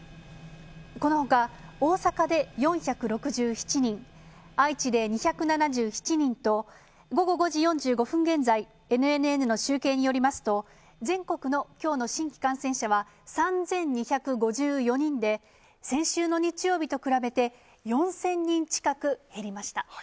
このほか、大阪で４６７人、愛知で２７７人と、午後５時４５分現在、ＮＮＮの集計によりますと、全国のきょうの新規感染者は３２５４人で、先週の日曜日と比べて、４０００人近く減りました。